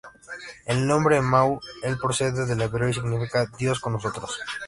El nombre Emanu-El procede del hebreo y significa "Dios con nosotros".